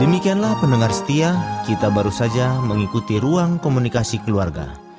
demikianlah pendengar setia kita baru saja mengikuti ruang komunikasi keluarga